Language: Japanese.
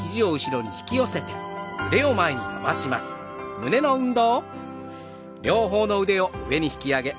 胸の運動。